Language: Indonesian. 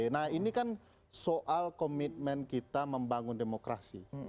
nah ini kan soal komitmen kita membangun demokrasi